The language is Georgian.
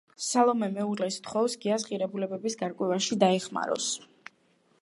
სალომე მეუღლეს სთხოვს, გიას ღირებულებების გარკვევაში დაეხმაროს.